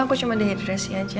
aku cuma dehidrasi aja